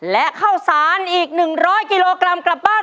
และเข้าสารอีกหนึ่งร้อยกิโลกรัมกลับบ้าน